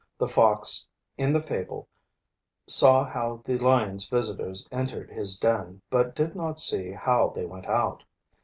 The fox in the fable saw how the lion's visitors entered his den, but did not see how they went out.